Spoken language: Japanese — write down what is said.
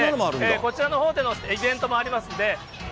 こちらのほうでもイベントがありますんで。